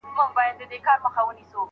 که پند وي نو بریالی یې.